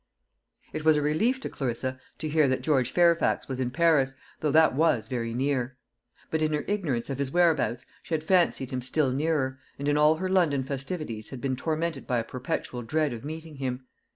It was a relief to Clarissa to hear that George Fairfax was in Paris, though that was very near. But in her ignorance of his whereabouts she had fancied him still nearer, and in all her London festivities had been tormented by a perpetual dread of meeting him.